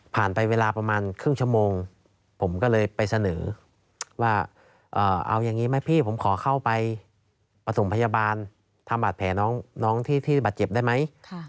ไปเวลาประมาณครึ่งชั่วโมงผมก็เลยไปเสนอว่าเอาอย่างนี้ไหมพี่ผมขอเข้าไปประถมพยาบาลทำบาดแผลน้องที่บาดเจ็บได้ไหม